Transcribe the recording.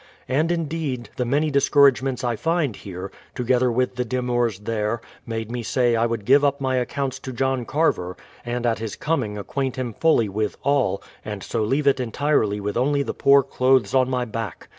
And indeed, the many discour agements I find here, together with the demurs there, made me say I would give up my accounts to John Carver, and at his com ing acquaint him fully with all, and so leave it entirely with only the poor clothes on my back.